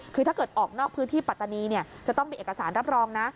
คือถ้าเกิดออกนอกพื้นที่ปัตตานีจะต้องมีเอกสารรับรองนะ